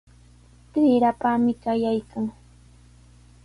Trirapami qallaykan.